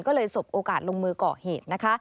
ก็เลยสบโอกาสลงมือก่อเหตุนะคะ